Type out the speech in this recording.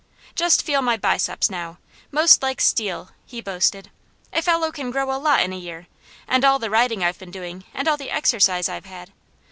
"Just feel my biceps now! Most like steel!" he boasted. "A fellow can grow a lot in a year, and all the riding I've been doing, and all the exercise I've had.